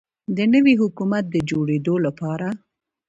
د نوي حکومت د جوړیدو لپاره